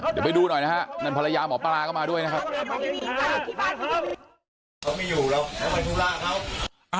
เดี๋ยวไปดูหน่อยนะฮะนั่นภรรยาหมอปลาก็มาด้วยนะครับ